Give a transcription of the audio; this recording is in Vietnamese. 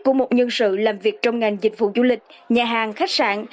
của một nhân sự làm việc trong ngành dịch vụ du lịch nhà hàng khách sạn